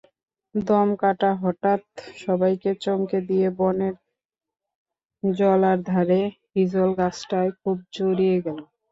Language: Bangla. দমকাটা হঠাত্ সবাইকে চমকে দিয়ে বনের জলার ধারের হিজলগাছটায় খুব জড়িয়ে গেল।